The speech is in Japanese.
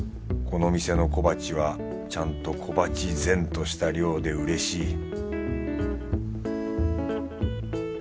この店の小鉢はちゃんと小鉢然とした量で嬉しい